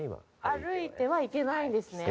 歩いては行けないんですね。